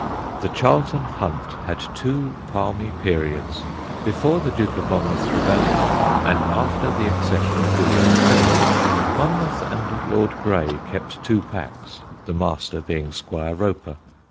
The Charlton Hunt had two palmy periods: before the Duke of Monmouth's rebellion, and after the accession of William III. Monmouth and Lord Grey kept two packs, the Master being Squire Roper.